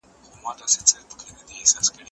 ټوله شاته ودرېـږئ